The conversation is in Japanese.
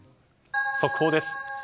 速報です。